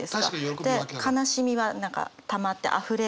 で「悲しみ」は何かたまって「あふれる」とか。